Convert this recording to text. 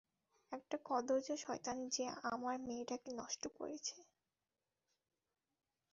একটা কদর্য শয়তান যে আমার মেয়েটাকে নষ্ট করছে।